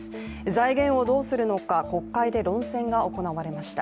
財源をどうするのか国会で論戦が行われました